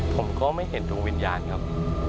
ผมก็ไม่เห็นดวงวิญญาณครับ